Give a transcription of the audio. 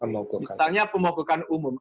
misalnya pemogokan umum